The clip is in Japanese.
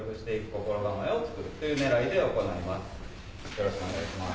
・よろしくお願いします